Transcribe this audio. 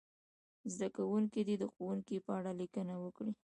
زده کوونکي دې د ښوونکي په اړه لیکنه وکړي.